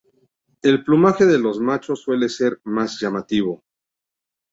El plumaje de los machos suele ser más llamativo.